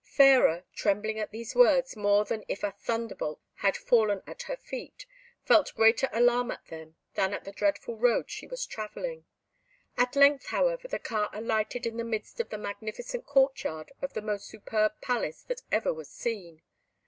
Fairer, trembling at these words more than if a thunderbolt had fallen at her feet, felt greater alarm at them than at the dreadful road she was travelling. At length, however, the car alighted in the midst of the magnificent court yard of the most superb palace that ever was seen.